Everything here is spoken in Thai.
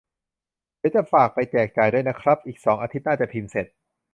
เดี๋ยวจะฝากไปแจกจ่ายด้วยนะครับ : อีกสองอาทิตย์น่าจะพิมพ์เสร็จ